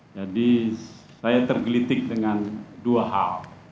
jadi saya tergelitik dengan dua hal